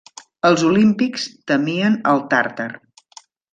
Els Olímpics temien el Tàrtar.